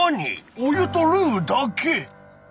お湯とルーだけ！？